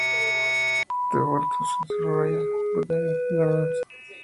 The Board of Trustees of the Royal Botanic Gardens, Kew.